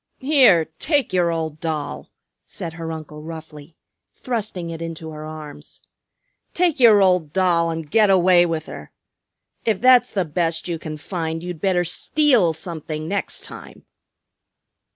"Here, take your old doll," said her uncle roughly, thrusting it into her arms. "Take your old doll and get away with her. If that's the best you can find you'd better steal something next time."